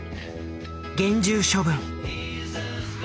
厳重処分」。